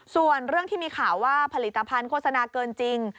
ส่วนเรื่องที่มีข่าวว่าผลิตภัณฑ์โฆษณาเกินจริง